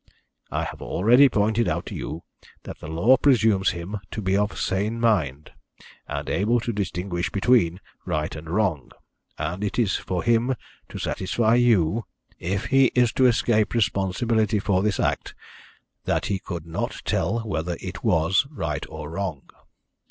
I have already pointed out to you that the law presumes him to be of sane mind, and able to distinguish between right and wrong, and it is for him to satisfy you, if he is to escape responsibility for this act, that he could not tell whether it was right or wrong.